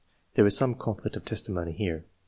[There is some conflict of testimony here.